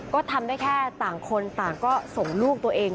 ก็ทำได้แค่ต่างคนต่างก็ส่งลูกตัวเอง